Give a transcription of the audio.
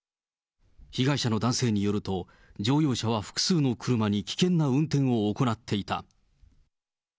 被害者の男性によると、乗用車は複数の車に危険な運転を行っていた。